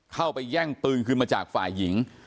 เข้าไปแย่งปืนขึ้นมาจากฝ่ายหญิง